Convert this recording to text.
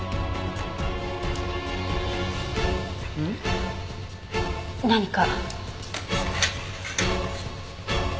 ん？何か？